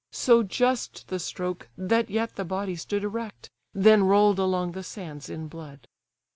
So just the stroke, that yet the body stood Erect, then roll'd along the sands in blood.